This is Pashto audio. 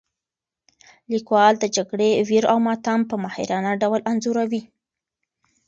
لیکوال د جګړې ویر او ماتم په ماهرانه ډول انځوروي.